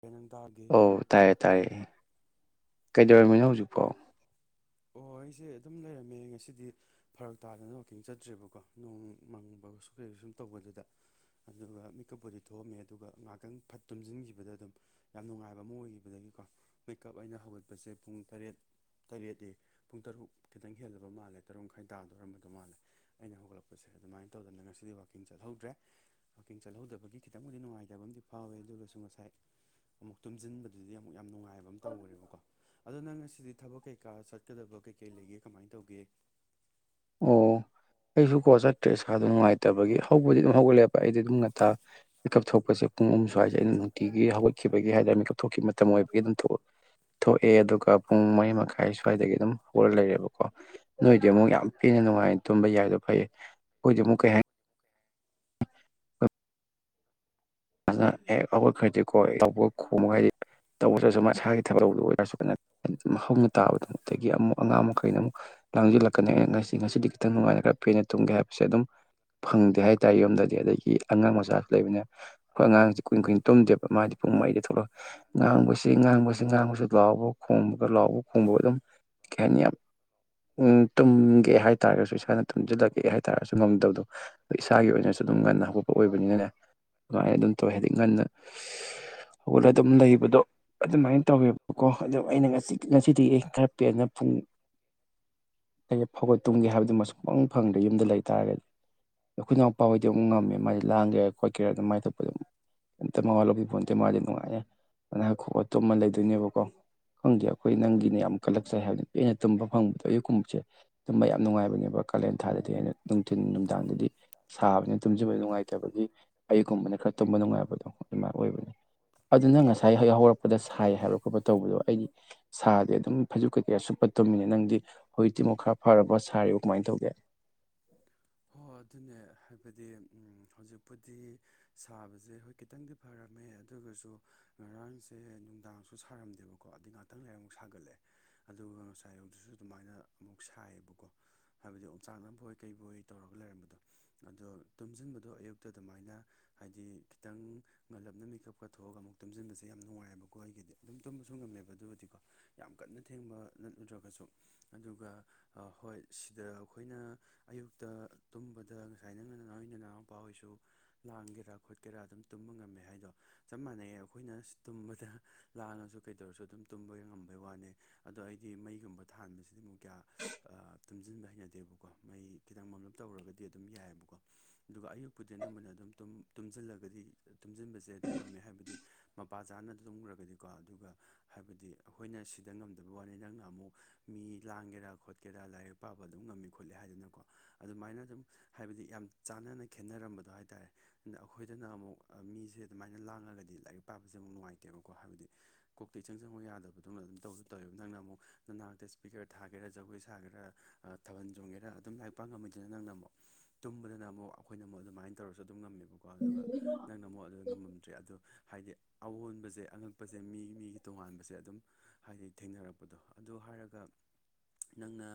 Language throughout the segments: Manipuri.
ꯄꯦꯅꯪ ꯇꯥꯗꯦ ꯑꯧ ꯇꯥꯏꯌꯦ ꯇꯥꯏꯌꯦ ꯀꯩꯗꯧꯔꯝꯃꯤꯅꯣ ꯍꯧꯖꯤꯛꯄꯣ ꯑꯣ ꯑꯩꯁꯦ ꯑꯗꯨꯝ ꯂꯩꯔꯝꯃꯦ ꯉꯁꯤꯗꯤ ꯐꯔꯛ ꯇꯥꯗꯅ ꯋꯥꯛꯀꯤꯡ ꯆꯠꯇ꯭ꯔꯦꯕꯀꯣ ꯅꯣꯡ ꯃꯪꯕꯁꯨ ꯀꯩ ꯁꯨꯝ ꯇꯧꯕꯗꯨꯗ ꯑꯗꯨꯒ ꯃꯤꯀꯞꯄꯨꯗꯤ ꯊꯣꯛꯑꯝꯃꯦ ꯑꯗꯨꯒ ꯉꯍꯥꯛꯇꯪ ꯐꯠ ꯇꯨꯝꯁꯤꯟꯈꯤꯕꯗ ꯑꯗꯨꯝ ꯌꯥꯝ ꯅꯨꯡꯉꯥꯏꯕ ꯑꯃ ꯑꯣꯏꯈꯤꯕꯗꯒꯤꯀꯣ ꯃꯦꯀꯞ ꯑꯩꯅ ꯍꯧꯒꯠꯄꯁꯦ ꯄꯨꯡ ꯇꯔꯦꯠ ꯇꯔꯦꯠꯇꯤ ꯄꯨꯡ ꯇꯔꯨꯛ ꯈꯤꯇꯪ ꯍꯦꯜꯂꯕ ꯃꯥꯜꯂꯦ ꯇꯔꯨꯛ ꯃꯈꯥꯏ ꯇꯥꯗꯣꯔꯔꯝꯕꯗꯧ ꯃꯥꯜꯂꯦ ꯑꯩꯅ ꯍꯧꯒꯠꯂꯛꯄꯁꯦ ꯑꯗꯨꯃꯥꯏꯅ ꯇꯧꯗꯅ ꯉꯁꯤꯗꯤ ꯋꯥꯛꯀꯤꯡ ꯆꯠꯍꯧꯗ꯭ꯔꯦ ꯋꯥꯛꯀꯤꯡ ꯆꯠꯍꯧꯗꯕꯒꯤ ꯈꯤꯇꯪꯕꯨꯗꯤ ꯅꯨꯡꯉꯥꯏꯇꯕ ꯑꯃꯗꯤ ꯐꯥꯎꯋꯦ ꯑꯗꯨꯑꯣꯏꯔꯁꯨ ꯉꯁꯥꯏ ꯑꯃꯨꯛ ꯇꯨꯝꯖꯤꯟꯕꯗꯨꯗꯤ ꯑꯃꯨꯛ ꯌꯥꯝ ꯅꯨꯡꯉꯥꯏꯕ ꯑꯃ ꯇꯧꯈ꯭ꯔꯦꯕꯀꯣ ꯑꯗꯣ ꯅꯪ ꯉꯁꯤꯗꯤ ꯊꯕꯛ ꯀꯩꯀꯥ ꯆꯠ... ꯆꯠꯀꯗꯕ ꯀꯩ ꯀꯩ ꯂꯩꯒꯦ ꯀꯃꯥꯏ ꯇꯧꯒꯦ ꯑꯣ ꯑꯩꯁꯨ ꯀꯣ ꯆꯠꯇ꯭ꯔꯦ ꯏꯁꯥꯗꯨ ꯅꯨꯡꯉꯥꯏꯇꯕꯒꯤ ꯍꯧꯕꯗꯤ ꯍꯧꯒꯠꯂꯦꯕ ꯑꯩꯗꯤ ꯑꯗꯨꯝ ꯉꯟꯇꯥ ꯃꯤꯀꯞ ꯊꯣꯛꯄꯁꯦ ꯄꯨꯡ ꯑꯍꯨꯝ ꯁꯋꯥꯏꯁꯦ ꯑꯩꯅ ꯅꯨꯡꯇꯤꯒꯤ ꯍꯧꯒꯠꯈꯤꯕꯒꯤ ꯍꯥꯏꯇꯥꯔꯦ ꯃꯤꯀꯞ ꯊꯣꯛꯈꯤꯕ ꯃꯇꯝ ꯑꯣꯏꯕꯒꯤ ꯑꯗꯨꯝ ꯊꯣꯛ... ꯊꯣꯛꯑꯦ ꯑꯗꯨꯒ ꯄꯨꯡ ꯃꯔꯤ ꯃꯈꯥꯏ ꯁ꯭ꯋꯥꯏꯗꯒꯤ ꯑꯗꯨꯝ ꯍꯧꯔ ꯂꯩꯔꯦꯕꯀꯣ ꯅꯣꯏꯗꯤ ꯑꯃꯨꯛ ꯌꯥꯝ ꯄꯦꯟꯅ ꯅꯨꯡꯉꯥꯏꯅ ꯇꯨꯝꯕ ꯌꯥꯏꯗꯣ ꯐꯩꯌꯦ ꯑꯈꯣꯏꯗꯤ ꯑꯃꯨꯛ ꯀꯩ ꯍꯥꯏ... ꯑꯗꯨꯅ ꯍꯦꯛ ꯍꯧꯠꯈ꯭ꯔꯗꯤꯀꯣ [unintelligible] ꯇꯧꯗ꯭ꯔꯁꯨ ꯃꯁꯥꯒꯤ ꯊꯕꯛꯗ ꯑꯣꯏꯔꯁꯨ ꯀꯟꯅ ꯍꯧꯅ ꯇꯥꯕꯗꯣ ꯑꯗꯒꯤ ꯑꯃꯨꯛ ꯑꯉꯥꯡ ꯃꯈꯩꯅ ꯑꯃꯨꯛ ꯂꯥꯡꯖꯤꯜꯂꯛꯀꯅꯤ ꯑꯩꯅ ꯉꯁꯤ ꯉꯁꯤꯗꯤ ꯈꯤꯇꯪ ꯅꯨꯡꯉꯥꯏꯅ ꯄꯦꯟꯅ ꯇꯨꯝꯒꯦ ꯍꯥꯏꯕꯁꯦ ꯑꯗꯨꯝ ꯐꯪꯗꯦ ꯍꯥꯏꯇꯥꯔꯦ ꯌꯨꯝꯗꯗꯤ ꯑꯗꯨꯒꯤ ꯑꯉꯥꯡ ꯃꯆꯥꯁꯨ ꯂꯩꯕꯅꯤꯅ ꯈꯣꯢ ꯑꯉꯥꯡꯁꯤ ꯀꯨꯏ ꯀꯨꯏꯅ ꯇꯨꯝꯗꯦꯕ ꯃꯥꯗꯤ ꯄꯨꯡ ꯃꯔꯤꯗ ꯊꯣꯛꯂꯛ... ꯉꯥꯡꯕꯁꯤ ꯉꯥꯡꯕꯁꯤ ꯉꯥꯡꯕꯁꯤ ꯂꯥꯎꯕ ꯈꯣꯡꯕꯒ ꯂꯥꯎꯕ ꯈꯣꯡꯕ ꯑꯗꯨꯝ ꯀꯩꯍꯥꯏꯅꯤ ꯌꯥꯝ ꯎꯝ ꯇꯨꯝꯒꯦ ꯍꯥꯏꯇꯔꯒꯁꯨ ꯏꯁꯥꯅ ꯇꯨꯝꯖꯗꯕꯤ ꯍꯥꯏꯇꯥꯔꯒꯁꯨ ꯉꯝꯗꯕꯗꯣ ꯏꯁꯥꯒꯤ ꯑꯣꯏꯅꯁꯨ ꯑꯗꯨꯝ ꯉꯟꯅ ꯍꯧꯒꯠꯄ ꯑꯣꯏꯕꯅꯤꯅꯅꯦ ꯑꯗꯨꯃꯥꯏꯅ ꯑꯗꯨꯝ ꯇꯧꯋꯦ ꯍꯥꯏꯗꯤ ꯉꯟꯅ [unintelligible] ꯍꯧꯒꯠꯂ ꯑꯗꯨꯝ ꯂꯩꯕꯗꯣ ꯑꯗꯨꯃꯥꯏꯅ ꯇꯧꯋꯦꯕꯀꯣ ꯑꯗꯨ ꯑꯩꯅ ꯉꯁꯤ ꯉꯁꯤꯗꯤ ꯑꯩ ꯈꯔ ꯄꯦꯟꯅ ꯄꯨꯡ ꯑꯌꯨꯛꯐꯥꯎꯕ ꯇꯨꯝꯒꯦ ꯍꯥꯏꯕꯗꯨꯃ ꯁꯨꯛꯐꯪ ꯐꯪꯗ꯭ꯔꯦ ꯌꯨꯝꯗ ꯂꯩꯇꯥꯥꯔꯒꯗꯤ ꯑꯩꯈꯣꯏ ꯏꯅꯥꯎꯄꯥ ꯍꯣꯏꯗꯤ ꯑꯃꯨꯛ ꯉꯝꯃꯦ ꯃꯥꯗꯤ ꯂꯥꯡꯒꯦꯔꯥ ꯈꯣꯠꯀꯦꯔꯥ ꯑꯗꯨꯝ ꯃꯥꯏ ꯊꯣꯛꯄ ꯑꯝꯇ ꯃꯋꯥ ꯂꯧꯕꯤꯄꯣꯟꯇꯦ ꯃꯥꯗꯤ ꯅꯨꯡꯉꯥꯏꯅ ꯅꯥꯈꯣꯛꯑꯒ ꯇꯨꯝꯃ ꯂꯩꯗꯣꯏꯅꯦꯕꯀꯣ ꯈꯪꯗꯦ ꯑꯩꯈꯣꯏ ꯅꯪꯒꯤꯅ ꯌꯥꯝ ꯀꯜꯂꯛꯆꯩ ꯍꯥꯏꯕ ꯄꯦꯟꯅ ꯇꯨꯝꯕ ꯐꯪꯕꯗꯣ ꯑꯌꯨꯛꯀꯨꯝꯕꯁꯦ ꯇꯨꯝꯕ ꯌꯥꯝ ꯅꯨꯡꯉꯥꯏꯕꯅꯦꯕ ꯀꯥꯂꯦꯟ ꯊꯥꯗꯗꯤ ꯑꯩꯅ ꯅꯨꯡꯊꯤꯟ ꯅꯨꯡꯗꯥꯡꯗꯗꯤ ꯁꯥꯕꯅꯤ ꯇꯨꯝꯖꯕ ꯅꯨꯡꯉꯥꯏꯇꯕꯒꯤ ꯑꯌꯨꯛꯀꯨꯝꯕꯅ ꯈꯔ ꯇꯨꯝꯕ ꯅꯨꯡꯉꯥꯏꯕꯗꯣ ꯑꯗꯨꯃꯥꯏ ꯑꯣꯏꯕ ꯑꯗꯨ ꯅꯪ ꯉꯁꯥꯏ ꯌꯥꯎꯍꯧꯔꯛ... ꯑꯗ ꯁꯥꯏ ꯍꯥꯏꯕ ꯈꯣꯠꯄ ꯇꯧꯕꯗꯣ ꯑꯩꯒꯤ ꯁꯥꯗꯤ ꯑꯗꯨꯝ ꯐꯩꯖꯨꯞ ꯀꯩꯀꯩ ꯁꯨꯨꯞꯄ ꯇꯨꯝꯃꯤꯅꯦ ꯅꯪꯗꯤ ꯍꯧꯖꯤꯛꯇꯤ ꯑꯃꯨꯛ ꯈꯔ ꯐꯔꯕ ꯁꯥꯔꯤꯕ ꯀꯃꯥꯏ ꯇꯧꯒꯦ ꯍꯣ ꯑꯗꯨꯅꯦ ꯍꯥꯏꯕꯗꯤ ꯎꯝ ꯍꯧꯖꯤꯛꯄꯨꯗꯤ ꯁꯥꯕꯁꯦ ꯍꯣꯏ ꯈꯤꯇꯪꯗꯤ ꯐꯔꯝꯃꯦ ꯑꯗꯨꯒꯁꯨ ꯉꯔꯥꯡꯁꯦ ꯅꯨꯡꯗꯥꯡꯁꯨ ꯁꯥꯔꯝꯗꯦꯕꯀꯣ ꯑꯗꯩ ꯉꯥꯛꯇꯪ ꯂꯩꯔ ꯑꯃꯨꯛ ꯁꯥꯒꯠꯂꯛꯑꯦ ꯑꯗꯨꯒ ꯉꯁꯥꯏ ꯑꯌꯨꯛꯗꯨꯁꯨ ꯑꯗꯨꯃꯥꯏꯅ ꯑꯃꯨꯛ ꯁꯥꯏꯌꯦꯕꯀꯣ ꯍꯥꯏꯕꯗꯤ ꯑꯣꯡꯆꯥꯛꯅꯕꯣꯏ ꯀꯩꯕꯣꯏ ꯇꯧꯔꯒ ꯂꯩꯔꯝꯕꯗꯣ ꯑꯗꯣ ꯇꯨꯝꯖꯟꯕꯗꯣ ꯑꯌꯨꯛꯇ ꯑꯗꯨꯃꯥꯏꯅ ꯍꯥꯏꯗꯤ ꯈꯤꯇꯪ ꯉꯜꯂꯞꯅ ꯃꯤꯀꯞꯀ ꯊꯣꯛꯑꯒ ꯑꯃꯨꯛ ꯇꯨꯝꯖꯟꯕꯁꯦ ꯌꯥꯝ ꯅꯨꯡꯉꯥꯏꯕꯀꯣ ꯑꯩꯒꯤꯗꯤ ꯑꯗꯨꯝ ꯇꯨꯝꯕꯁꯨ ꯉꯝꯃꯦꯕ ꯑꯗꯨꯒꯗꯤꯀꯣ ꯌꯥꯝ ꯀꯟꯅ ꯊꯦꯡꯕ ꯅꯠ ꯅꯠꯇ꯭ꯔꯒꯁꯨ ꯑꯗꯨꯒ ꯑ ꯍꯣꯏ ꯁꯤꯗ ꯑꯈꯣꯏꯅ ꯑꯌꯨꯛ ꯇ ꯇꯨꯝꯕꯗ ꯉꯁꯥꯏ ꯅꯪꯅ ꯅꯣꯏ ꯅꯅꯥꯎꯄꯥ ꯍꯣꯏꯁꯨ ꯂꯥꯡꯒꯦꯔꯥ ꯈꯣꯠꯀꯦꯔꯥ ꯑꯗꯨꯝ ꯇꯨꯝꯕ ꯉꯝꯃꯦ ꯍꯥꯏꯗꯣ ꯆꯞ ꯃꯥꯟꯅꯩ ꯑꯈꯣꯏꯁꯅ ꯇꯨꯝꯕꯗ ꯂꯥꯡꯉꯥꯁꯨ ꯀꯩꯗꯧꯔꯁꯨ ꯑꯗꯨꯝ ꯇꯨꯝꯕ ꯉꯝꯕꯩ ꯋꯥꯅ‌ꯦ ꯑꯗꯣ ꯑꯩꯗꯤ ꯃꯩꯒꯨꯝꯕ ꯊꯥꯟꯕꯁꯤꯗꯤ ꯑꯃꯨꯛ ꯀꯌꯥ ꯑ ꯇꯨꯝꯖꯤꯟꯕ ꯍꯩꯅꯗꯦꯕꯀꯣ ꯃꯩ ꯈꯤꯇꯪ ꯃꯝꯂꯞ ꯇꯧꯔꯒꯗꯤ ꯑꯗꯨꯝ ꯌꯥꯏꯕꯀꯣ ꯑꯗꯨꯒ ꯑꯌꯨꯛꯄꯨꯗꯤ ꯑꯅꯝꯕꯅ ꯑꯗꯨꯝ ꯇꯨꯝ ꯇꯨꯝꯖꯤꯜꯂꯒꯗꯤ ꯇꯨꯝꯖꯤꯟꯕꯁꯦ ꯑꯗꯨꯝ ꯉꯝꯃꯦ ꯍꯥꯏꯕꯗꯤ ꯃꯄꯥ ꯆꯥꯅ ꯇꯨꯝꯒ꯭ꯔꯒꯗꯤꯀꯣ ꯑꯗꯨꯒ ꯍꯥꯏꯕꯗꯤ ꯑꯈꯣꯏꯅ ꯁꯤꯗ ꯉꯝꯗꯕ ꯋꯥꯅꯤ ꯅꯪꯅ ꯑꯃꯨꯛ ꯃꯤ ꯂꯥꯡꯒꯦꯔꯥ ꯈꯣꯠꯀꯦꯔꯥ ꯂꯥꯏꯔꯤꯛ ꯄꯥꯕ ꯑꯗꯨꯝ ꯉꯝꯃꯤ ꯈꯣꯠꯂꯤ ꯍꯥꯏꯗꯅꯀꯣ ꯑꯗꯨꯃꯥꯏꯅ ꯑꯗꯨꯝ ꯍꯥꯏꯕꯗꯤ ꯌꯥꯝ ꯆꯥꯟꯅꯅ ꯈꯦꯠꯅꯔꯝꯕꯗꯣ ꯍꯥꯏꯇꯥꯔꯦ ꯑꯈꯣꯏꯗꯅ ꯑꯃꯨꯛ ꯑ ꯃꯤꯖ‌ꯦ ꯑꯗꯨꯃꯥꯏꯅ ꯂꯥꯡꯉꯒꯗꯤ ꯂꯥꯏꯔꯤꯛ ꯄꯥꯕꯁ‌ꯦ ꯑꯃꯨꯛ ꯅꯨꯡꯉꯥꯏꯇꯦꯕꯀꯣ ꯍꯥꯏꯕꯗꯤ ꯀꯣꯛꯇ ꯏꯆꯪ ꯆꯪꯉꯨ ꯌꯥꯗꯕꯗꯧꯅ ꯑꯗꯨꯝ ꯇꯧꯒꯨꯝ ꯇꯧꯋꯦꯕ ꯅꯪꯅ ꯑꯃꯨꯛ ꯅꯅꯥꯛꯇ ꯏꯁꯄꯤꯀꯔ ꯊꯥꯒꯦꯔꯥ ꯖꯒꯣꯏ ꯁꯥꯒꯦꯔꯥ ꯑ ꯊꯥꯕꯜ ꯆꯣꯡꯒꯦꯔꯥ ꯑꯗꯨꯝ ꯂꯥꯏꯛ ꯄꯥ ꯉꯝꯃꯤꯗꯅ ꯅꯪꯅ ꯑꯃꯨꯛ ꯇꯨꯝꯕꯗꯅ ꯑꯃꯨꯛ ꯑꯈꯣꯏꯅ ꯑꯃꯨꯛ ꯑꯗꯨꯃꯥꯏꯅ ꯇꯧꯔꯁꯨ ꯑꯗꯨꯝ ꯉꯝꯃꯦꯕ [unintelligible] ꯑꯗꯨꯒ ꯅꯪꯅ ꯑꯃꯨꯛ ꯑꯗꯨꯗ ꯉꯝꯃꯝꯗ꯭ꯔꯦ ꯑꯗꯣ ꯍꯥꯏꯗꯤ ꯑꯋꯣꯟꯕꯖ‌ꯦ ꯑꯉꯛꯄꯁꯦ ꯃꯤ ꯃꯤꯒꯤ ꯇꯣꯉꯥꯟꯕꯁꯦ ꯑꯗꯨꯝ ꯍꯥꯏꯗꯤ ꯊꯦꯡꯅꯔꯛꯄꯗꯣ ꯑꯗꯨ ꯍꯥꯏꯔꯒ ꯅꯪꯅ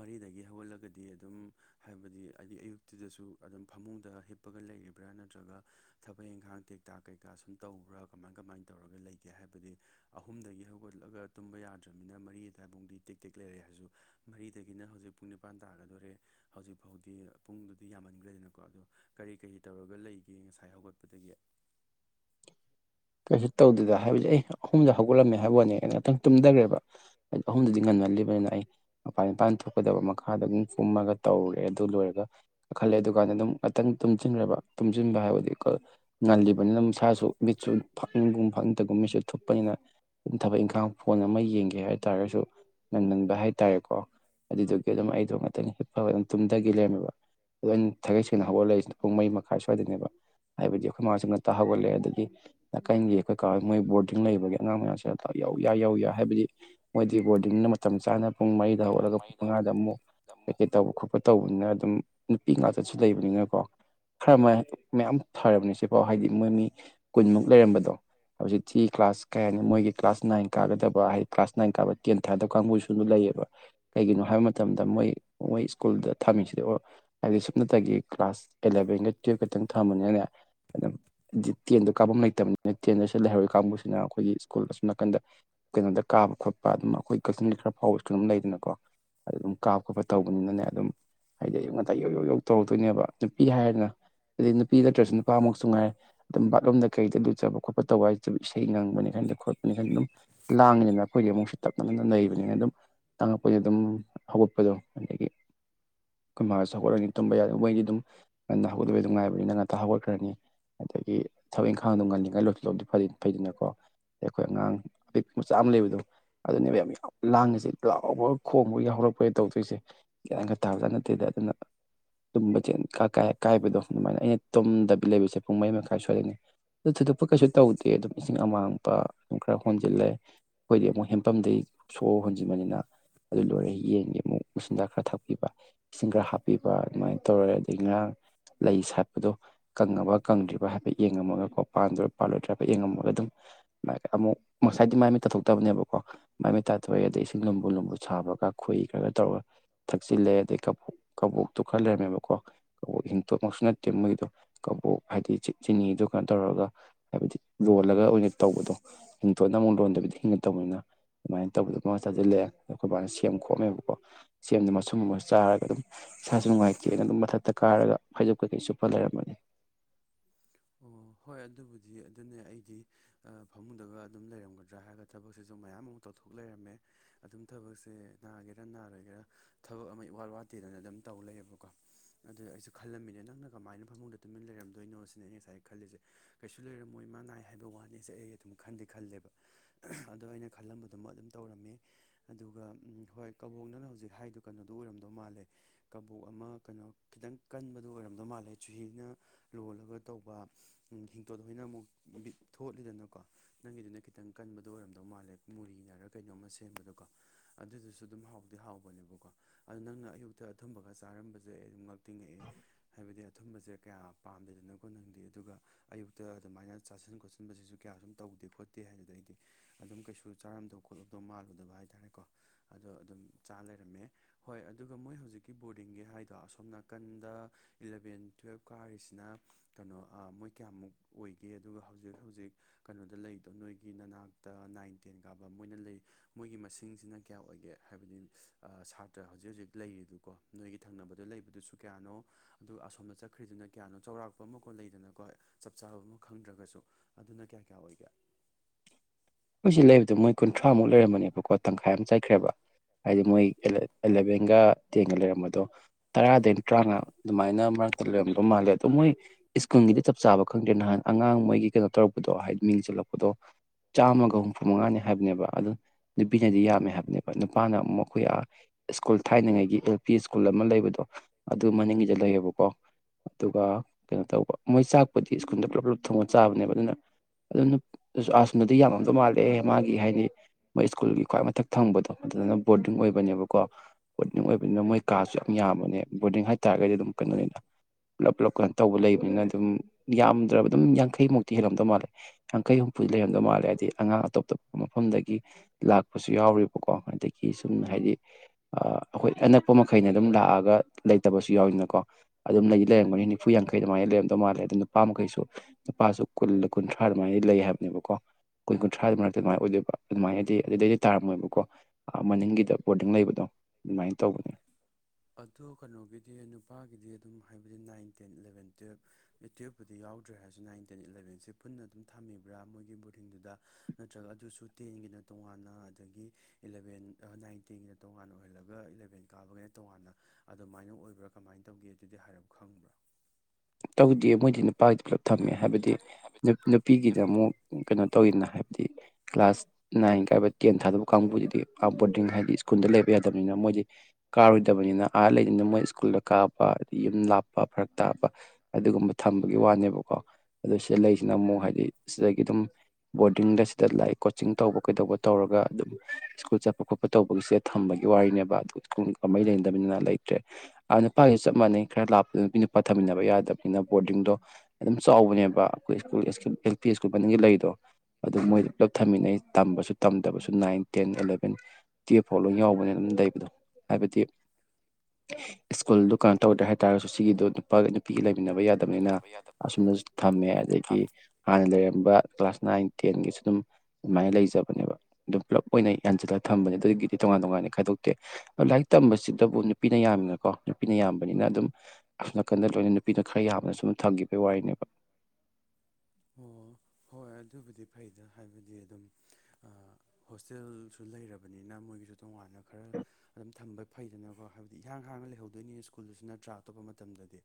ꯃꯔꯤꯗꯒꯤ ꯍꯧꯒꯠꯂꯒꯗꯤ ꯑꯗꯨꯝ ꯍꯥꯏꯕꯗꯤ ꯑꯥꯏꯗꯤ ꯑꯌꯨꯛꯇꯨꯗꯁꯨ ꯑꯗꯨꯝ ꯐꯃꯨꯡꯗ ꯍꯤꯞꯄꯒ ꯂꯩꯔꯤꯕ꯭ꯔꯥ ꯅꯠꯇ꯭ꯔꯒ ꯊꯕꯛ ꯏꯪꯈꯥꯡ ꯇꯦꯛꯇꯥꯛ ꯀꯩꯀꯥ ꯁꯨꯝ ꯇꯧꯕ꯭ꯔꯥ ꯀꯃꯥꯏ ꯀꯃꯥꯏꯅ ꯇꯧꯔꯒ ꯂꯩꯒꯦ ꯍꯥꯏꯕꯗꯤ ꯑꯍꯨꯝꯗꯒꯤ ꯍꯧꯒꯠꯂꯒ ꯇꯨꯝꯕ ꯌꯥꯗ꯭ꯔꯕꯅꯤꯅ ꯃꯔꯤ ꯑꯗꯥꯏꯕꯨꯡꯗꯤ ꯇꯦꯛ- ꯇꯦꯛ ꯂꯩꯔꯦ ꯍꯥꯏꯔꯖꯨ ꯃꯔꯤꯗꯒꯤꯅ ꯍꯧꯖꯤꯛ ꯄꯨꯡ ꯅꯤꯄꯥꯟ ꯇꯥꯒꯗꯣꯔꯦ ꯍꯧꯖꯤꯛ ꯐꯥꯎꯗꯤ ꯄꯨꯡꯗꯨꯗꯤ ꯌꯥꯝꯃꯟꯈ꯭ꯔꯦꯗꯅꯀꯣ ꯑꯗꯣ ꯀꯔꯤ- ꯀꯔꯤ ꯇꯧꯔꯒ ꯂꯩꯒꯦ ꯉꯁꯥꯏ ꯍꯧꯒꯠꯄꯗꯒꯤ ꯀꯩꯁꯨ ꯇꯧꯗꯦꯗ ꯍꯥꯏꯕꯗꯤ ꯑꯩ ꯑꯍꯨꯝꯗ ꯍꯧꯒꯠꯂꯝꯃꯦ ꯍꯥꯏꯕ ꯋꯥꯅꯦ ꯑ [unintelligible] ꯉꯥꯛꯇꯪ ꯇꯨꯝꯗꯒ꯭ꯔꯦꯕ ꯑꯩꯠ ꯑꯍꯨꯝꯗꯨꯗꯤ ꯉꯟꯃꯜꯂꯤꯕ꯭ꯔꯅ ꯑꯩ ꯃꯄꯥꯟ ꯏꯄꯥꯟ ꯊꯣꯛꯀꯗꯕ ꯃꯈꯥꯗ ꯑꯗꯨꯝ ꯀꯨꯝꯃꯒ ꯇꯧꯔꯦ ꯑꯗꯨ ꯂꯣꯏꯔꯒ ꯈꯜꯂꯦ ꯑꯗꯨꯀꯥꯟꯗ ꯑꯗꯨꯝ ꯉꯥꯛꯇꯪ ꯇꯨꯝꯖꯤꯟꯈ꯭ꯔꯕ ꯇꯨꯝꯖꯤꯟꯕ ꯍꯥꯏꯕꯗꯤꯀ‌ꯣ [unintelligible] ꯉꯜꯂꯤꯕꯅꯤꯅ ꯏꯁꯥꯁꯨ ꯃꯤꯠꯁꯨ ꯐꯥꯛꯅꯤꯡꯒꯨꯝ ꯐꯥꯛꯅꯤꯡꯗꯒꯨꯝ ꯃꯤꯠꯁꯨ ꯊꯨꯞꯄꯅꯤꯅ [unintelligible] ꯊꯕꯛ ꯏꯪꯈꯥꯡ ꯐꯣꯟ ꯑꯃ ꯌꯦꯡꯒꯦ ꯍꯥꯏꯇꯥꯥꯔꯒꯁꯨ ꯉꯟꯃꯟꯕ ꯍꯥꯏꯇꯥꯔꯦꯀꯣ ꯑꯗꯨꯗꯨꯒꯤ ꯑꯗꯨꯝ ꯑꯩꯗꯣ ꯉꯥꯛꯇꯪ ꯍꯤꯞꯄꯒ ꯑꯗꯨꯝ ꯇꯨꯝꯗꯒꯤ ꯂꯩꯔꯝꯃꯦꯕ [unintelligible] ꯅ ꯊꯥꯒꯩ ꯁꯦꯡꯅ ꯍꯧꯒꯂꯛꯏꯁꯤ ꯄꯨꯡ ꯃꯔꯤ ꯃꯈꯥꯏ ꯁ꯭ꯋꯥꯏꯗꯅꯦꯕ ꯍꯥꯏꯕꯗꯤ ꯑꯈꯣꯏ ꯃꯥ ꯍ‌ꯣꯏꯁꯨ ꯉꯟꯇꯥ ꯍꯧꯒꯠꯂꯦ ꯑꯗꯒꯤ ꯅꯥꯀꯟꯒꯤ ꯑꯈꯣꯏ ꯀꯥꯍ‌ꯣꯏ ꯃꯣꯏ ꯕꯣꯔꯗꯤꯡ ꯂꯩꯕꯒꯤ ꯑꯉꯥꯡ ꯃꯌꯥꯝꯁ‌ꯦ ꯍ‌ꯦꯇ ꯌꯧ ꯌꯥ ꯌꯧ ꯌꯥ ꯍꯥꯏꯕꯗꯤ ꯃꯣꯏꯗꯤ ꯕꯣꯔꯗꯤꯡꯅꯤꯅ ꯃꯇꯝ ꯆꯥꯅ ꯄꯨꯡ ꯃꯔꯤꯗ ꯍꯧꯒꯠꯂꯒ ꯄꯨꯡ ꯃꯉꯥꯗ ꯑꯃꯨꯛ ꯀꯩ ꯀꯩ ꯇꯧꯕ ꯈꯣꯠꯄ ꯇꯧꯕꯅꯤꯅ ꯑꯗꯨꯝ ꯅꯨꯄꯤ ꯉꯥꯛꯇꯁꯨ ꯂꯩꯕꯅꯤꯅꯀꯣ ꯈꯔ ꯃꯌꯥꯝ ꯃꯌꯥꯝ ꯐꯔꯕꯅꯤꯁꯦ ꯀꯣ ꯍꯥꯏꯗꯤ ꯃꯣꯏ ꯃꯤ ꯀꯨꯟꯃꯨꯛ ꯂꯩꯔꯝꯕꯗꯣ ꯍꯧꯖꯤꯛꯇꯤ ꯀ꯭ꯂꯥꯁ [unintelligible] ꯅꯤ ꯃꯣꯏꯒꯤ ꯀ꯭ꯂꯥꯁ ꯅꯥꯏꯟ ꯀꯥꯒꯗꯕ ꯍꯥꯏꯗꯤ ꯀ꯭ꯂꯥꯁ ꯅꯥꯏꯟ ꯀꯥꯕ ꯇꯦꯟ ꯊꯥꯗꯧ ꯀꯥꯡꯕꯨꯁꯨ ꯑꯗꯨ ꯂꯩꯌꯦꯕ ꯀꯩꯒꯤꯅꯣ ꯍꯥꯏꯕ ꯃꯇꯝꯗ ꯃꯣꯏ ꯃꯣꯏ ꯁ꯭ꯀꯨꯜꯗ ꯊꯝꯃꯤꯁꯤ [unintelligible] ꯍꯥꯏꯗꯤ ꯁꯨꯞꯅꯇꯒꯤ ꯀ꯭ꯂꯥꯁ ꯏꯂꯥꯚꯦꯟꯒ ꯇꯨꯌꯦꯜꯐ ꯀꯇꯪ ꯊꯝꯕꯅꯤꯅꯅꯦ ꯑꯗꯨꯝ ꯗꯤ ꯇꯦꯟꯗꯣ ꯀꯥꯐꯝ ꯂꯩꯇꯕꯅꯤꯅ ꯇꯦꯟ ꯑꯁꯤ ꯂꯩꯍꯧꯔꯤ ꯀꯥꯡꯕꯨꯁꯤꯅ ꯑꯈꯣꯏꯒꯤ ꯁ꯭ꯀꯨꯜ ꯑꯁꯨꯝ ꯅꯥꯀꯟꯗ ꯀꯩꯅꯣꯗ ꯀꯥꯕ ꯈꯣꯠꯄ ꯑꯗꯨꯝ ꯑꯈꯣꯏ ꯀꯛꯆꯤꯡꯗ ꯈꯔ ꯐꯥꯎꯕ ꯁꯀ꯭ꯨꯜ ꯑꯝ ꯂꯩꯗꯅꯀꯣ ꯑꯗꯗꯨꯝ ꯀꯥꯕ ꯈꯣꯠꯄ ꯇꯧꯕꯅꯤꯅꯅꯦ ꯑꯗꯨꯝ ꯍꯥꯏꯗꯤ ꯑꯌꯨꯛ ꯉꯟꯇ ꯌꯣꯛ ꯌꯧ ꯌꯧ ꯇꯧꯔꯛꯇꯣꯏꯅꯦꯕ ꯅꯨꯄꯤ ꯍꯥꯏꯔ‌ꯦꯗꯅ ꯑꯗꯩ ꯅꯨꯄꯤ ꯅꯠꯇ꯭ꯔꯁꯨ ꯅꯨꯄꯥꯃꯛꯁꯨ ꯉꯥꯏꯔꯦ ꯑꯗꯨꯝ ꯕꯥꯠꯔꯨꯝꯗ ꯀꯩꯗ ꯂꯨꯖꯥꯕ ꯈꯣꯠꯄ ꯇꯧ ꯍꯥꯏꯖ ꯏꯁꯩ ꯉꯪꯕꯅꯤ ꯈꯪꯗꯦ ꯈꯣꯠꯄꯅꯤ ꯈꯪꯗꯦ ꯑꯗꯨꯝ ꯂꯥꯡꯕꯅꯤꯅ ꯑꯩꯈꯣꯏꯗꯤ ꯑꯃꯨꯛꯁꯨ ꯇꯞ ꯅꯞꯅꯅ ꯂꯩꯕꯅꯤꯅ ꯑꯗꯨꯝ ꯇꯥꯡꯉꯛꯄꯅꯤꯅ ꯑꯗꯨꯝ ꯍꯧꯒꯠꯄꯗꯣ ꯑꯗꯒꯤ ꯑꯩꯈꯣꯏ ꯃꯥꯁꯨ ꯍꯧꯒꯠꯂꯅꯤ ꯇꯨꯝꯕ ꯌꯥꯗ ꯃꯣꯏꯗꯤ ꯑꯗꯨꯝ ꯉꯟꯅ ꯍꯧꯒꯠꯈꯤꯕꯩ ꯑꯗꯨꯝ ꯅꯨꯡꯉꯥꯏꯕꯅꯤꯅ ꯉꯟꯇ ꯍꯧꯒꯠꯈ꯭ꯔꯅꯤ꯫ ꯑꯗꯒꯤ ꯊꯕꯛ ꯏꯪꯈꯥꯡꯗꯣ ꯉꯜꯂꯤꯉꯩ ꯂꯣꯏꯁꯤꯜ ꯂꯧꯔꯗꯤ ꯐꯩ ꯐꯩꯗꯅꯀꯣ꯫ ꯑꯗꯩ ꯑꯩꯈꯣꯏ ꯑꯉꯥꯡ ꯑꯄꯤꯛꯄ ꯃꯆꯥ ꯑꯃ ꯂꯩꯕꯗꯣ꯫ ꯑꯗꯨꯅꯦꯕ ꯌꯥꯝ ꯌꯥꯎ ꯂꯥꯡꯉꯤꯖꯦ ꯂꯥꯎꯕꯒ ꯈꯣꯡꯕꯒꯤ ꯌꯥꯍꯧꯔꯛꯄꯗꯩ ꯇꯧꯗꯣꯏꯁꯦ꯫ ꯒꯌꯥꯥꯟꯒ ꯇꯥꯕ ꯖꯥꯠ ꯅꯠꯇꯦꯗ ꯑꯗꯨꯅ ꯇꯨꯝꯕꯖꯦ ꯈꯥ ꯀꯥꯏ ꯀꯥꯏꯕꯤꯗꯣ ꯑꯗꯨꯃꯥꯏꯅ ꯑꯩꯅ ꯇꯨꯝꯗꯕꯤ ꯂꯩꯕꯁꯦ ꯄꯨꯡ ꯃꯔꯤ ꯃꯈꯥꯏ ꯁꯣꯏꯗꯅꯤ ꯑꯗꯨ ꯊꯣꯏꯗꯣꯛꯄ ꯀꯩꯁꯨ ꯇꯧꯗꯦ ꯑꯗꯨꯝ ꯏꯁꯤꯡ ꯑꯃꯥꯡꯄ ꯑꯗꯨꯝ ꯈꯔ ꯍꯣꯟꯖꯤꯜꯂꯦ꯫ ꯑꯩꯈꯣꯏꯗꯤ ꯑꯃꯨꯛ ꯍꯦꯟꯄꯝꯗꯩ ꯁꯣꯛꯑ ꯍꯣꯟꯖꯟꯕꯅꯤꯅ ꯑꯗꯨ ꯂꯣꯏꯔ ꯌꯦꯟꯒꯤ ꯑꯃꯨꯛ ꯃꯆꯤꯟꯖꯥꯛ ꯈꯔ ꯊꯥꯛꯄꯤꯕ꯫ ꯏꯁꯤꯡ ꯈꯔ ꯍꯥꯞꯄꯤꯕ ꯑꯗꯨꯃꯥꯏ ꯇꯧꯔꯦ ꯑꯗꯩ ꯉꯔꯥꯡ ꯂꯩ ꯁꯥꯠꯄꯗꯣ ꯀꯪꯉꯕ ꯀꯪꯗ꯭ꯔꯤꯕ ꯍꯥꯏꯐꯦꯠ ꯌꯦꯡꯉꯃꯒꯀꯣ ꯄꯥꯟꯗꯣꯏꯔ ꯄꯥꯜꯂꯣꯏꯗ꯭ꯔꯥ ꯍꯥꯏꯐꯦꯠ ꯌꯦꯡꯉꯝꯃꯒ ꯑꯗꯨꯝ ꯂꯥꯛꯑꯦ ꯑꯃꯨꯛ ꯉꯁꯥꯏꯗꯤ ꯃꯥꯏ ꯃꯤꯠ ꯇꯥꯊꯣꯛꯇꯕꯅꯦꯕꯀꯣ꯫ ꯃꯥꯏ ꯃꯤꯠ ꯇꯥꯊꯣꯛꯑꯦ ꯑꯗꯩ ꯏꯁꯤꯡ ꯂꯨꯝꯕꯨ ꯂꯨꯝꯕꯨ ꯁꯥꯕꯒ ꯈꯣꯍꯤ ꯈ꯭ꯔꯒ ꯇꯧꯔ ꯊꯛꯆꯤꯜꯂꯦ ꯑꯗꯩ ꯀꯕꯣꯛ ꯀꯕꯣꯛꯇꯨ ꯈꯔ ꯂꯩꯔꯝꯃꯦꯕꯀꯣ꯫ ꯀꯕꯣꯛ ꯍꯤꯡꯇꯣꯠꯃꯛꯁꯨ ꯅꯠꯇꯦ ꯃꯣꯏꯗꯣ ꯀꯕꯣꯛ ꯍꯥꯏꯗꯤ ꯆꯤ ꯆꯤꯅꯤꯗꯨ ꯀꯩꯅꯣ ꯇꯧꯔꯒ ꯍꯥꯏꯕꯗꯤ ꯂꯣꯜꯂꯒ ꯑꯣꯏꯅ ꯇꯧꯕꯗꯣ ꯍꯤꯡꯇꯣꯟꯗ ꯑꯃꯨꯛ ꯂꯣꯟꯗꯕꯤꯗ ꯍꯤꯡꯅ ꯇꯧꯋꯤꯅ ꯑꯗꯨꯃꯥꯏꯅ ꯇꯧꯕꯗꯣ [unintelligible] ꯆꯥꯖꯜꯂꯦ ꯑꯩꯈꯣꯏꯕꯥꯅ ꯁꯦꯝ ꯈꯣꯛꯑꯝꯃꯦꯕꯀꯣ꯫ ꯁꯦꯝꯗꯣ ꯃꯁꯨꯡ ꯑꯃ ꯆꯥꯔꯒ ꯑꯗꯨꯝ ꯏꯁꯥꯁꯨ ꯅꯨꯡꯉꯥꯏꯇ꯭ꯔꯦꯅ ꯑꯗꯨꯝ ꯃꯊꯛꯇ ꯀꯥꯔꯒ ꯐꯩꯖꯨꯞ ꯀꯩꯀꯩ ꯁꯨꯞꯄ ꯂꯩꯔꯝꯕꯅꯤ꯫ ꯑꯣ ꯍꯣꯏ ꯑꯗꯨꯕꯨꯗꯤ ꯑꯗꯨꯅꯦ ꯑꯩꯗꯤ ꯑ ꯐꯃꯨꯡꯗꯒ ꯑꯗꯨꯝ ꯂꯩꯔꯝꯒꯗ꯭ꯔꯥ ꯍꯥꯏꯔꯒ ꯊꯕꯛꯁꯤꯁꯨ ꯃꯌꯥꯝ ꯑꯃꯨꯛ ꯇꯧꯊꯣꯛ ꯂꯩꯔꯝꯃꯦ꯫ ꯑꯗꯨꯝ ꯊꯕꯛꯁꯦ ꯅꯥꯒꯦꯔꯥ ꯅꯥꯔꯣꯏꯒꯦꯔꯥ ꯊꯕꯛ ꯑꯃ ꯏꯋꯥꯠ ꯋꯥꯠꯇꯦꯗꯅ ꯑꯗꯨꯝ ꯇꯧ ꯂꯩꯌꯦꯕꯀꯣ꯫ ꯑꯗꯨꯗ ꯑꯩꯁꯨ ꯈꯜꯂꯝꯃꯤꯅꯦ ꯅꯪꯅ ꯀꯃꯥꯏꯅ ꯐꯃꯨꯡꯗ ꯇꯨꯃꯤꯟꯅ ꯂꯩꯔꯝꯗꯣꯏꯅꯣ ꯁꯤ ꯅꯦ ꯑꯩ ꯉꯁꯥꯏ ꯈꯜꯂꯤꯖꯦ ꯀꯩꯁꯨ ꯂꯩꯔꯝꯃꯣꯏ ꯃꯥ ꯅꯥꯏ ꯍꯥꯏꯕ ꯋꯥꯅꯤꯖꯦ ꯑꯩ ꯑꯗꯨꯝ ꯈꯟꯗꯤ ꯈꯜꯂꯦꯕ꯫ ꯑꯗꯣ ꯑꯩꯅ ꯈꯜꯂꯝꯕꯗꯨꯃꯛ ꯑꯗꯨꯝ ꯇꯧꯔꯝꯃꯤ꯫ ꯑꯗꯨꯒ ꯎꯝ ꯍꯣꯏ ꯀꯕꯣꯛꯅꯪꯅ ꯍꯧꯖꯤꯛ ꯍꯥꯏꯗꯣ ꯀꯩꯅꯣꯗꯣ ꯑꯣꯏꯔꯝꯗꯧ ꯃꯥꯜꯂꯦ꯫ ꯀꯕꯣꯛ ꯑꯃ ꯀꯩꯅꯣ ꯈꯤꯇꯪ ꯀꯟꯕꯗꯣ ꯑꯣꯏꯔꯝꯗꯧ ꯃꯥꯜꯂꯦ ꯆꯨꯍꯤꯅ ꯂꯣꯜꯂꯒ ꯇꯧꯕ ꯍꯤꯡꯇꯣꯠ ꯍꯣꯏꯅ ꯑꯃꯨꯛ ꯊꯣꯠꯂꯤꯗꯅꯀꯣ꯫ ꯅꯪꯒꯤꯗꯨꯅ ꯈꯤꯇꯪ ꯀꯟꯕꯗꯣ ꯑꯣꯏꯔꯝꯗꯧ ꯃꯥꯜꯂꯦ ꯃꯨꯔꯤꯅꯔꯒ ꯀꯩꯅꯣꯝꯃ ꯁꯦꯝꯕꯗꯣꯀꯣ꯫ ꯑꯗꯨꯗꯨꯁꯨ ꯑꯗꯨꯝ ꯍꯥꯎꯕꯨꯗꯤ ꯍꯥꯎꯕꯅꯦꯕꯀꯣ꯫ ꯑꯗꯨ ꯅꯪꯅ ꯑꯌꯨꯛꯇ ꯑꯊꯨꯝꯕꯒ ꯆꯥꯔꯝꯕꯖꯦ ꯑꯩ ꯑꯗꯨꯝ ꯉꯥꯛꯇꯤ ꯉꯛꯑꯦ꯫ ꯍꯥꯏꯕꯗꯤ ꯑꯊꯨꯝꯕꯖꯦ ꯀꯌꯥ ꯄꯥꯝꯗꯦꯗ ꯅꯪ꯫ ꯀꯣ ꯅꯪꯗꯤ ꯑꯗꯨꯒ ꯑꯌꯨꯛꯇ ꯑꯗꯨꯃꯥꯏꯅ ꯆꯥꯁꯤꯟ ꯈꯣꯠꯆꯤꯟꯕꯁꯤꯁꯨ ꯀꯌꯥ ꯁꯨꯝ ꯇꯧꯗꯦ ꯈꯣꯠꯇꯦ ꯍꯥꯏꯗꯨꯗ ꯑꯩꯗꯤ ꯑꯗꯨꯝ ꯀꯩꯁꯨ ꯆꯥꯔꯝꯗꯧ ꯈꯣꯠꯂꯝꯗꯧ ꯃꯥꯜꯂꯨꯗꯕ ꯍꯥꯏꯇꯥꯔꯦꯀꯣ ꯑꯗꯣ ꯑꯗꯨꯝ ꯆꯥ ꯂꯩꯔꯝꯃꯦ꯫ ꯍꯣꯏ ꯑꯗꯨꯒ ꯃꯣꯏ ꯍꯧꯖꯤꯛꯀꯤ ꯕꯣꯔꯗꯤꯡꯒꯤ ꯍꯥꯏꯗꯣ ꯑꯁꯣꯝ ꯅꯥꯀꯟꯗ ꯏꯂꯚꯦꯟ ꯇꯨꯌꯦꯞ ꯀꯥꯔꯤꯁꯤꯅ ꯀꯩꯅꯣ ꯃꯣꯏ ꯀꯌꯥꯃꯨꯛ ꯑꯣꯏꯒꯦ ꯑꯗꯨꯒ ꯍꯧꯖꯤꯛ ꯍꯧꯖꯤꯛ ꯀꯩꯅꯣꯗ ꯂꯩꯗꯣ ꯅꯣꯏꯒꯤ ꯅꯅꯥꯛꯇ ꯅꯥꯏꯟ ꯇꯦꯟ ꯀꯥꯕ ꯃꯣꯏꯅ ꯂꯩ ꯃꯣꯏꯒꯤ ꯃꯁꯤꯡꯁꯤꯅ ꯀꯌꯥ ꯑꯣꯏꯒꯦ ꯍꯥꯏꯕꯗꯤ ꯁꯥꯇ꯭ꯔ ꯍꯧꯖꯤꯛ ꯍꯧꯖꯤꯛ ꯂꯩꯔꯤꯗꯨ꯫ ꯀꯣ ꯅꯣꯏꯒꯤ ꯊꯪꯅꯕꯗ ꯂꯩꯕꯗꯨꯁꯨ ꯀꯌꯥꯅꯣ ꯑꯗꯨꯒ ꯑꯁꯣꯝꯗ ꯆꯠꯈ꯭ꯔꯤꯗꯨꯅ ꯀꯌꯥꯅꯣ ꯆꯧꯔꯥꯛ ꯐꯝꯃꯀꯣꯟ ꯂꯩꯗꯅꯀꯣ ꯆꯞ ꯆꯥꯕ ꯑꯃ ꯈꯪꯗ꯭ꯔꯒꯁꯨ ꯑꯗꯨꯅ ꯀꯌꯥ ꯀꯌꯥ ꯑꯣꯏꯒꯦ꯫ ꯃꯣꯏꯁꯤ ꯂꯩꯕꯗꯣ ꯃꯣꯏ ꯀꯨꯟꯊ꯭ꯔꯥꯃꯨꯛ ꯂꯩꯔꯝꯕꯅꯦꯕꯀꯣ ꯇꯪꯈꯥꯏ ꯑꯃ ꯆꯠꯈ꯭ꯔꯦꯕ ꯍꯥꯏꯗꯤ ꯃꯣꯏ ꯑ‌ꯦꯂꯥ ꯑꯦꯂꯚꯦꯟꯒ ꯇꯦꯟꯒ ꯂꯩꯔꯝꯕꯗꯣ ꯇꯔꯥꯗꯒꯤ ꯇ꯭ꯔꯥꯡꯉꯥ ꯑꯗꯨꯃꯥꯏꯅ ꯃꯔꯛꯇ ꯂꯩꯔꯝꯗꯧ ꯃꯥꯜꯂꯦ ꯑꯗ‌ꯣ ꯃꯣꯏ ꯁ꯭ꯀꯨꯜꯒꯤꯗꯤ ꯆꯞ ꯆꯥꯕ ꯈꯪꯗ꯭ꯔꯦ ꯅꯍꯥꯟ ꯑꯉꯥꯡ ꯃꯣꯏꯒꯤ ꯀꯩꯅꯣ ꯇꯧꯔꯛꯄꯗꯣ ꯍꯥꯏꯗꯤ ꯃꯤꯡ ꯆꯜꯂꯛꯄꯗꯣ ꯆꯥꯝꯃꯒ ꯍꯨꯝꯐꯨ ꯃꯉꯥꯅꯤ ꯍꯥꯏꯕꯅꯦꯕ ꯑꯗꯨ ꯅꯨꯄꯤꯅꯗꯤ ꯌꯥꯝꯃꯦ ꯍꯥꯏꯕꯅꯦꯕ ꯅꯨꯄꯥꯅ ꯑꯃꯨꯛ ꯃꯈꯣꯏ ꯑꯥ ꯁ꯭ꯀꯨꯜ ꯊꯥꯏꯅꯉꯩꯒꯤ ꯑꯦꯜ ꯄꯤ ꯁ꯭ꯀꯨꯜ ꯑꯃ ꯂꯩꯕꯗꯣ ꯑꯗꯨ ꯃꯅꯤꯡꯒꯤꯗ ꯂꯩꯌꯦꯕꯀꯣ ꯑꯗꯨꯒ ꯀꯩꯅꯣ ꯇꯧꯕ ꯃꯣꯏ ꯆꯥꯛꯄꯨꯗꯤ ꯁ꯭ꯀꯨꯜꯗ ꯄꯨꯂꯞ ꯄꯨꯂꯞ ꯊꯣꯡꯉ ꯆꯥꯕꯅꯦꯕ ꯑꯗꯨꯅ ꯑꯗꯨ ꯅꯨꯞ ꯑ ꯁ‌ꯣꯝꯅꯗꯤ ꯌꯥꯝꯃꯝꯗꯧ ꯃꯥꯜꯂ‌ꯦ ꯃꯥꯒꯤ ꯍꯥꯏꯗꯤ ꯃꯣꯏ ꯁ꯭ꯀꯨꯜꯒꯤ ꯈ꯭ꯋꯥꯏ ꯃꯊꯛ ꯊꯪꯕꯗꯣ ꯑꯗꯨꯅ ꯕꯣꯔꯗꯤꯡ ꯑꯣꯏꯕꯅꯦꯕꯀꯣ ꯕꯣꯔꯗꯤꯡ ꯑꯣꯏꯕꯅꯤꯅ ꯃꯣꯏ ꯀꯥꯁꯨ ꯌꯥꯝ ꯌꯥꯝꯕꯅꯦ ꯕꯣꯔꯗꯤꯡ ꯍꯥꯏꯇꯥꯔꯒꯗꯤ ꯑꯗꯨꯝ ꯀꯩꯅꯣꯅꯤꯗ ꯄꯨꯂꯞ ꯄꯨꯂꯞ ꯀꯩꯅꯣ ꯇꯧꯕ ꯂꯩꯕꯅꯤꯅ ꯑꯗꯨꯝ ꯌꯥꯝꯗ꯭ꯔꯕ ꯑꯗꯨꯝ ꯌꯥꯡꯈꯩꯃꯨꯛꯇꯤ ꯍꯦꯜꯂꯝꯗꯧ ꯃꯥꯜꯂꯦ ꯌꯥꯡꯈꯩ ꯍꯨꯝꯐꯨꯗꯤ ꯂꯩꯔꯝꯗꯧ ꯃꯥꯜꯂꯦ ꯍꯥꯏꯗꯤ ꯑꯉꯥꯡ ꯑꯇꯣꯞ ꯑꯇꯣꯞꯄ ꯃꯐꯝꯗꯒꯤ ꯂꯥꯛꯄꯁꯨ ꯌꯥꯎꯔꯤꯕꯀꯣ ꯑꯗꯒꯤ ꯁꯨꯝ ꯍꯥꯏꯗꯤ ꯑ ꯑꯩꯈꯣꯏ ꯑꯅꯛꯄ ꯃꯈꯩꯅ ꯑꯗꯨꯝ ꯂꯥꯛꯑꯒ ꯂꯩꯇꯕꯁꯨ ꯌꯥꯎꯋꯤꯗꯅꯀꯣ ꯑꯗꯨꯝ ꯂꯩꯗꯤ ꯂꯩꯔꯝꯒꯅꯤ ꯅꯤꯐꯨ ꯌꯥꯡꯈꯩ ꯑꯗꯨꯃꯥꯏꯅ ꯂꯩꯔꯝꯗꯧ ꯃꯥꯜꯂꯦ ꯑꯗꯨ ꯅꯨꯄꯥ ꯃꯈꯩꯁꯨ ꯅꯨꯄꯥꯁꯨ ꯀꯨꯜꯂꯥ ꯀꯨꯟꯊ꯭ꯔꯥꯔ ꯑꯗꯨꯃꯥꯏꯅ ꯂꯩ ꯍꯥꯏꯕꯅꯦꯕꯀꯣ ꯀꯨꯟ ꯀꯨꯟꯊ꯭ꯔꯥꯒꯤ ꯃꯔꯛꯇ ꯑꯗꯨꯃꯥꯏꯅ ꯑꯣꯏꯗꯣꯏꯕ ꯑꯗꯨꯃꯥꯏꯅꯗꯤ ꯑꯗꯨꯗꯩꯗꯤ ꯇꯥꯔꯝꯃꯣꯏꯕꯀꯣ ꯑꯥ ꯃꯅꯤꯡꯒꯤꯗ ꯕꯣꯔꯗꯤꯡ ꯂꯩꯕꯗꯣ ꯑꯗꯨꯃꯥꯏꯅ ꯇꯧꯕꯅꯦ ꯑꯗꯣ ꯀꯩꯅꯣꯒꯤꯗꯤ ꯅꯨꯄꯥꯒꯤꯗꯤ ꯑꯗꯨꯝ ꯍꯥꯏꯕꯗꯤ ꯅꯥꯏꯟ ꯇꯦꯟ ꯏꯂꯕꯦꯟ ꯇꯨꯌꯦꯜꯞ ꯇꯨꯌꯦꯜꯄꯨꯗꯤ ꯌꯥꯎꯗ꯭ꯔꯦ ꯍꯥꯏꯔꯁꯨ ꯅꯥꯏꯟ ꯇꯦꯟ ꯏꯂꯚꯦꯟꯁꯦ ꯄꯨꯟꯅ ꯑꯗꯨꯝ ꯊꯝꯃꯤꯕ꯭ꯔꯥ ꯃꯣꯏꯒꯤ ꯕꯣꯔꯗꯤꯡꯗꯨꯗ ꯅꯠꯇ꯭ꯔꯥꯒ ꯑꯗꯨꯁꯨ ꯇꯦꯟꯒꯤꯅ ꯇꯣꯉꯥꯟꯅ ꯑꯗꯒꯤ ꯏꯂꯚꯦꯟ ꯑꯥ ꯅꯥꯏꯟ ꯇꯦꯟꯒꯤꯅ ꯇꯣꯉꯥꯟ ꯑꯣꯏꯍꯜꯂꯒ ꯏꯂꯚꯦꯟ ꯀꯥꯕꯒꯩꯅ ꯇꯣꯡꯉꯥꯟꯅ ꯑꯗꯨꯃꯥꯏꯅ ꯑꯣꯏꯕ꯭ꯔꯥ ꯀꯃꯥꯏꯅ ꯇꯧꯒꯦ ꯑꯗꯨꯗꯤ ꯍꯥꯏꯔꯞ ꯈꯪꯕ꯭ꯔꯥ ꯇꯧꯗꯤꯌꯦ ꯃꯣꯏꯗꯤ ꯅꯨꯄꯥꯒꯤꯗꯤ ꯄꯨꯂꯞ ꯊꯝꯃꯦ ꯍꯥꯏꯕꯗꯤ ꯊꯝꯃꯦ ꯍꯥꯏꯕꯗꯤ ꯅ‌ꯨꯞ ꯅꯨꯄꯤꯒꯤꯗ ꯑꯃꯨꯛ ꯀꯩꯅꯣ ꯇꯧꯋꯤꯗꯅ ꯍꯥꯏꯕꯗꯤ ꯀ꯭ꯂꯥꯁ ꯅꯥꯏꯟ ꯀꯥꯕ ꯇꯦꯟ ꯊꯥꯗꯨꯕ ꯀꯥꯡꯕꯨꯁꯤꯗꯤ ꯕꯣꯔꯗꯤꯡ ꯍꯥꯏꯗꯤ ꯁ꯭ꯀꯨꯜꯗ ꯂꯩꯕ ꯌꯥꯗꯕꯅꯤꯅ ꯃꯣꯏꯗꯤ ꯀꯥꯔꯣꯏꯗꯕꯅꯤꯅ ꯑꯥ ꯂꯩꯕꯅꯤꯅ ꯃꯣꯏ ꯁ꯭ꯀꯨꯜꯗ ꯀꯥꯕ ꯌꯨꯝ ꯂꯥꯞꯄ ꯐꯔꯛ ꯇꯥꯕ ꯑꯗꯨꯒꯨꯝꯕ ꯊꯝꯕꯒꯤ ꯋꯥꯅꯦꯕꯀꯣ ꯑꯗꯨ ꯁꯤꯗ ꯂꯩꯁꯤꯅ ꯑꯃꯨꯛ ꯍꯥꯏꯗꯤ ꯁꯤꯗꯒꯤ ꯑꯗꯨꯝ ꯕꯣꯔꯗꯤꯡꯗ ꯁꯤꯗ ꯂꯥꯏꯔꯤꯛ ꯀꯣꯆꯤꯡ ꯇꯧꯕ ꯀꯩꯗꯧꯕ ꯇꯧꯔꯒ ꯑꯗꯨꯝ ꯁ꯭ꯀꯨꯜ ꯆꯠꯄ ꯈꯣꯠꯄ ꯇꯧꯕꯒꯤꯁꯦ ꯊꯝꯕꯒꯤ ꯋꯥꯔꯤꯅꯦꯕ ꯑꯗꯨ ꯁ꯭ꯀꯨꯜꯒ ꯃꯔꯤ ꯂꯩꯅꯗꯕꯅꯤꯅ ꯂꯩꯇ꯭ꯔꯦ ꯑꯥ ꯅꯨꯄꯥꯒꯤꯁꯨ ꯆꯞꯃꯥꯟꯅꯩ ꯈꯔ ꯂꯥꯞꯄꯗ ꯅꯨꯄꯤ ꯅꯨꯄꯥ ꯊꯝꯃꯤꯟꯅꯕ ꯌꯥꯗꯕ ꯑꯗꯨꯅ ꯕꯣꯔꯗꯤꯡꯗꯣ ꯑꯗꯨꯝ ꯆꯥꯎꯕꯅꯦꯕ ꯑꯩꯈꯣꯏ ꯁꯀꯨꯜ ꯑꯦꯜ ꯄꯤ ꯁ꯭ꯀꯨꯜ ꯃꯅꯤꯡꯒꯤ ꯂꯩꯗꯣ ꯑꯗꯨ ꯃꯣꯏꯗꯤ ꯄꯨꯂꯞ ꯊꯝꯃꯤꯟꯅꯩ ꯇꯝꯕꯁꯨ ꯇꯝꯗꯕꯁꯨ ꯅꯥꯏꯟ ꯇꯦꯟ ꯑꯦꯂꯚꯦꯟ ꯇꯨꯌꯦꯜꯐꯥꯎ ꯂꯣꯏ ꯌꯥꯎꯕꯅꯦꯅ ꯑꯗꯨꯝ ꯂꯩꯕꯗꯣ ꯍꯥꯏꯕꯗꯤ ꯁ꯭ꯀꯨꯜꯗꯨ ꯀꯩꯅꯣ ꯇꯧꯗ꯭ꯔꯦ ꯍꯥꯏꯇꯥꯔꯁꯨ ꯁꯤꯒꯤꯗꯣ ꯅꯨꯄꯥꯒ ꯅꯨꯄꯤꯒ ꯂꯩ ꯃꯤꯟꯅꯕ ꯌꯥꯗꯕꯅꯤꯅ ꯂꯩꯃꯤꯟꯅꯕ ꯌꯥꯗꯕ ꯑꯁꯨꯝꯗꯁꯨ ꯊꯝꯃꯦ ꯑꯗꯒꯤ ꯍꯥꯟꯅ ꯂꯩꯔꯝꯕ ꯀ꯭ꯂꯥꯁ ꯅꯥꯏꯟ ꯇꯦꯟꯒꯤꯁꯨ ꯑꯗꯨꯝ ꯑꯗꯨꯃꯥꯏꯅ ꯂꯩꯖꯕꯅꯦꯕ ꯑꯗꯨꯝ ꯄꯨꯂꯞ ꯑꯣꯏꯅ ꯌꯥꯟꯁꯤꯜꯂꯒ ꯊꯝꯕꯅꯦ ꯑꯗꯨꯒꯤꯗꯤ ꯇꯣꯉꯥꯟ ꯇꯣꯉꯥꯟꯅ ꯈꯥꯏꯗꯣꯛꯇꯦ ꯂꯥꯏꯔꯤꯛ ꯇꯝꯕꯁꯤꯗꯕꯨ ꯅꯨꯄꯤꯅ ꯌꯥꯝꯃꯤꯗꯅꯀꯣ ꯅꯨꯄꯤꯅ ꯌꯥꯝꯕꯅꯤꯅ ꯑꯗꯨꯝ ꯑꯁꯣꯝ ꯅꯥꯀꯟꯗ ꯂꯣꯏꯅ ꯅꯨꯞ ꯄꯤꯅ ꯈꯔ ꯌꯥꯝꯃ ꯁꯨꯝ ꯊꯝꯈꯤꯕꯒꯤ ꯋꯥꯔꯤꯅꯦꯕ ꯑꯣ ꯍꯣꯏ ꯑꯗꯨꯕꯨꯗꯤ ꯐꯩꯗ ꯍꯥꯏꯕꯗꯤ ꯑꯗꯨꯝ ꯑꯥ ꯍꯣꯁꯇꯦꯜꯁꯨ ꯂꯩꯔꯕꯅꯤꯅ ꯃꯣꯏꯒꯤꯁꯨ ꯇꯣꯉꯥꯟꯅ ꯈꯔ ꯑꯗꯨꯝ ꯊꯝꯕ ꯐꯩꯗꯅꯀꯣ ꯍꯥꯏꯕꯗꯤ ꯏꯍꯥꯡ ꯍꯥꯡꯅ ꯂꯩꯍꯧꯗꯣꯏꯅꯤ ꯁ꯭ꯀꯨꯜꯗꯨꯁꯨ ꯅꯠꯇ꯭ꯔꯥ ꯑꯇꯣꯞꯄ ꯃꯇꯝꯗꯗꯤ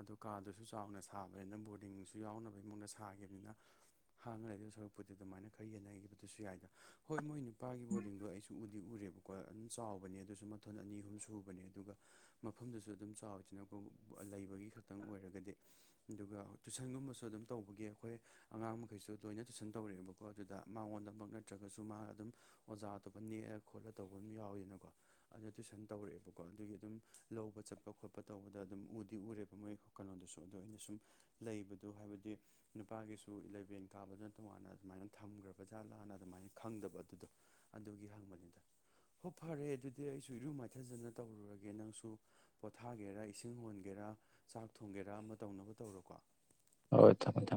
ꯑꯗꯣ ꯀꯥꯗꯨꯁꯨ ꯆꯥꯎꯅ ꯁꯥꯕꯅꯤꯅ ꯕꯣꯔꯗꯤꯡꯁꯨ ꯌꯥꯎꯅꯕꯒꯤ ꯃꯑ‌ꯣꯡꯗ ꯁꯥꯈꯤꯕꯅꯤꯅ ꯍꯥꯡꯉ ꯂꯩꯗꯧ ꯁꯔꯨꯛꯄꯨꯗꯤ ꯑꯗꯨꯃꯥꯏꯅ ꯈꯔ ꯌꯦꯟꯅꯈꯤꯕꯗꯨꯁꯨ ꯌꯥꯏꯗ ꯍꯣꯏ ꯃꯣꯏ ꯅꯨꯞ ꯄꯥꯒꯤ ꯕꯣꯔꯗꯤꯡꯗꯣ ꯑꯩꯁꯨ ꯎꯗꯤ ꯎꯔꯦꯕꯀꯣ ꯑꯗꯨꯝ ꯆꯥꯎꯕꯅꯦ ꯑꯗꯨꯁꯨ ꯃꯊꯣꯟ ꯑꯅꯤ ꯍꯨꯝ ꯁꯨꯕꯅꯦ ꯑꯗꯨꯒ ꯃꯐꯝꯗꯨꯁꯨ ꯑꯗꯨꯝ ꯆꯥꯎꯋꯤꯗꯅꯀꯣ ꯂꯩꯕꯒꯤ ꯈꯛꯇꯪ ꯑꯣꯏꯔꯒꯗꯤ ꯗꯨꯒ ꯇꯨꯏꯁꯟꯒꯨꯝꯕꯁꯨ ꯑꯗꯨꯝ ꯇꯧ ꯒꯦ ꯑꯈꯣꯏ ꯑꯉꯥꯡ ꯃꯈꯩꯁꯨ ꯂꯣꯏꯅ ꯇꯨꯏꯁꯟ ꯇꯧꯔꯦꯕꯀꯣ ꯑꯗꯨꯗ ꯃꯥꯉꯣꯟꯗꯃꯛ ꯅꯠꯇ꯭ꯔꯒꯁꯨ ꯃꯥ ꯑꯗꯨꯝ ꯑꯣꯖꯥ ꯑꯇꯣꯞꯄ ꯅꯦꯑ ꯈꯣꯠꯂ ꯇꯧꯕ ꯑꯝ ꯌꯥꯎꯋꯤꯗꯅꯀꯣ ꯑꯗ ꯇꯨꯏꯁꯟ ꯇꯧꯔꯦꯑꯦꯕꯀꯣ ꯑꯗꯨꯒꯤ ꯑꯗꯨꯝ ꯂꯧꯕ ꯆꯠꯄ ꯈꯣꯠꯄ ꯇꯧꯕꯗ ꯑꯗꯨꯝ ꯎꯗꯤ ꯎꯔꯦꯕ ꯃꯣꯏ ꯀꯩꯅꯣꯗꯨꯁꯨ ꯑꯗꯣ ꯑꯩꯅ ꯁꯨꯝ ꯂꯩꯕꯗꯣ ꯍꯥꯏꯕꯗꯤ ꯅꯨꯄꯥꯒꯤꯁꯨ ꯏꯂꯚꯦꯟ ꯀꯥꯕꯅ ꯇꯣꯉꯥꯟꯅ ꯑꯗꯨꯃꯥꯏꯅ ꯊꯝꯒ꯭ꯔꯕ ꯖꯥꯠꯂꯥꯅ ꯑꯗꯨꯃꯥꯏꯅ ꯈꯪꯗꯕ ꯑꯗꯨꯗꯣ ꯑꯗꯨꯒꯤ ꯍꯪꯕꯅꯤꯗ ꯍꯣ ꯐꯔꯦ ꯑꯗꯨꯗꯤ ꯑꯩꯁꯨ ꯏꯔꯨ ꯃꯥꯏꯊꯖꯅ ꯇꯧꯔꯨꯔꯒꯦ ꯅꯪꯁꯨ ꯄꯣꯊꯥꯒꯦꯔꯥ ꯏꯁꯤꯡ ꯍꯣꯟꯒꯦꯔꯥ ꯆꯥꯛ ꯊꯣꯡꯒꯦꯔꯥ ꯑꯃ ꯇꯧꯅꯕ ꯇꯧꯔꯣꯀꯣ ꯍꯣꯏ ꯊꯝꯃꯣ ꯊꯝ